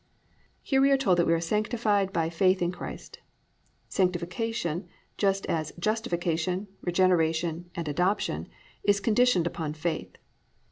"+ Here we are told that we are sanctified by faith in Christ. Sanctification, just as justification, regeneration, and adoption, is conditioned upon faith.